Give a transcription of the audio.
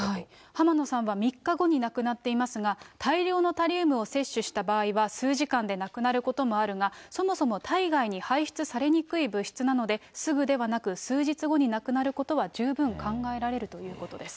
浜野さんは３日後に亡くなっていますが、大量のタリウムを摂取した場合は数時間で亡くなることもあるが、そもそも体外に排出されにくい物質なのですぐではなく、数日後に亡くなることは十分考えられるということです。